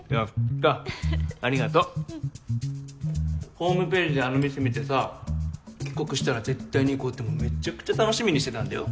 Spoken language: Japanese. ホームページであの店見てさ帰国したら絶対に行こうってもうめちゃくちゃ楽しみにしてたんだよ。